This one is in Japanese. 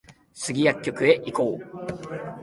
スギ薬局に行こう